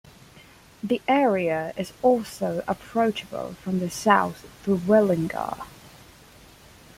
The area is also approachable from the south through Willunga.